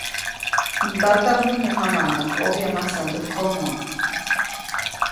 ʼÄj ndata, mumu jamaʼuŋnaʼajk ʼobya masandäjkomo.